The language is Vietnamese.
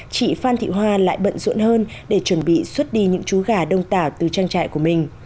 chị phan thị hoa lại bận rộn hơn để chuẩn bị xuất đi những chú gà đông tảo từ trang trại của mình